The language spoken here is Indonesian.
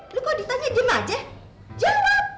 lo kok ditanya aja mak jawab